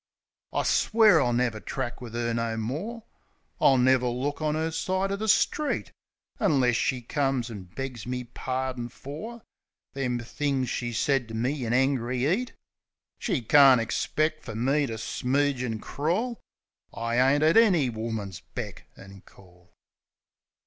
I swear I'll never track wiv 'er no more; I'll never look on 'er side o' the street — Unless she comes an' begs me pardin for Them things she said to me in angry 'eat. She can't ixpeck fer me to smooge an' crawl. I ain't at any woman's beck an' call.